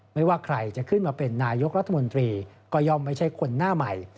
ไม่ว่าใครจะขึ้นมาเป็นนายกรัฐมนตรีก็ย่อมไม่ใช่คนหน้าใหม่